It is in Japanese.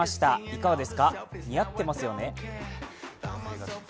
いかがですか、似合ってますよね。